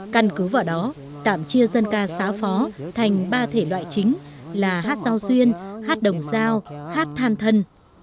căn cứ vào đó tạm chia dân ca xã phó thành ba thể loại chính là hát giao duyên hát đồng giao hát than thân